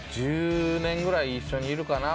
１０年ぐらい一緒にいるかな。